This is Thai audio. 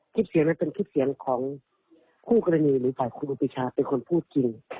คลิปเสียงนั้นเป็นคลิปเสียงของคู่กรณีหรือฝ่ายครูปีชาเป็นคนพูดจริง